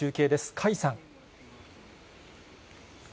甲斐さん。